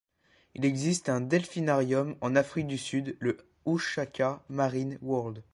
Il existe un delphinarium en Afrique du Sud, le uShaka Marine World.